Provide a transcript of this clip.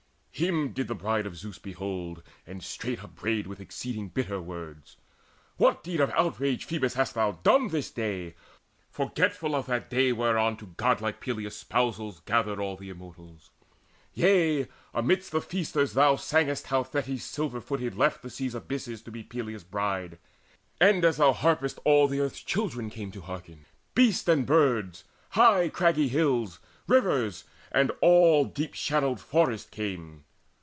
Him did the Bride of Zeus behold, and straight Upbraided with exceeding bitter words: "What deed of outrage, Phoebus, hast thou done This day, forgetful of that day whereon To godlike Peleus' spousals gathered all The Immortals? Yea, amidst the feasters thou Sangest how Thetis silver footed left The sea's abysses to be Peleus' bride; And as thou harpedst all earth's children came To hearken, beasts and birds, high craggy hills, Rivers, and all deep shadowed forests came.